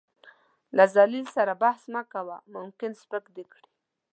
له ذليل سره بحث مه کوه ، ممکن سپک دې کړي .